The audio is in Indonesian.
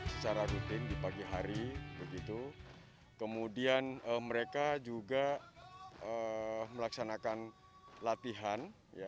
secara rutin di pagi hari kemudian mereka juga melaksanakan latihan